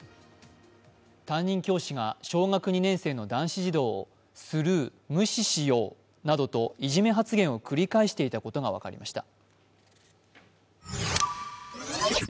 担任教師が小学２年生の男子児童をスルー、無視しようなどといじめ発言を繰り返していたことが分かりました。